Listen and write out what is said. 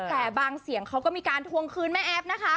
แต่บางเสียงเขาก็มีการทวงคืนแม่แอฟนะคะ